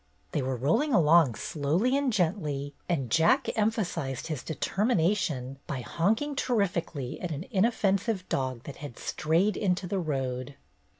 They were rolling along slowly and gently, and Jack emphasized his determination by honking terrifically at an inoffensive dog that had strayed into the road.